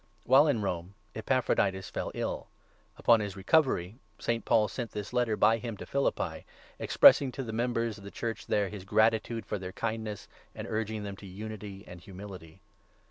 While in Rome, Epaphroditus fell ill ; upon his recovery St. Paul sent this Letter by him to Philippi, expressing to the members of the Church there his gratitude for their kindness, and urging them to unity and humility.